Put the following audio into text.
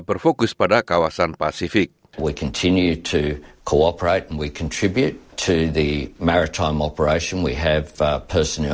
pembuluhan penyelidikan kematian mencurigakan akhirnya